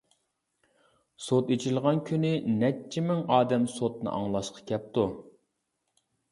سوت ئېچىلغان كۈنى نەچچە مىڭ ئادەم سوتنى ئاڭلاشقا كەپتۇ.